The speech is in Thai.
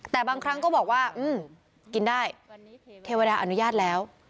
แต่บางครั้งก็บอกว่ากินได้เทวดาอนุญาตแล้ว